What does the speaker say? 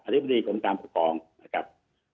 ธิบดีกรมการปกครองนะครับ